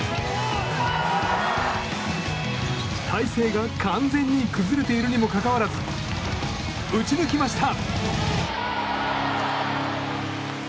体勢が完全に崩れているにもかかわらず打ち抜きました！